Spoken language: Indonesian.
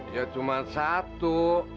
ya cuma satu